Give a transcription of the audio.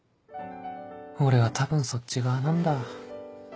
俺は多分そっち側なんだ